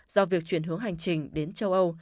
do việc chuyển hướng hành trình đến châu âu